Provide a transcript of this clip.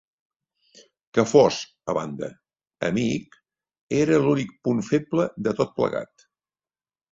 Que fos, a banda, amic, era l'únic punt feble de tot plegat.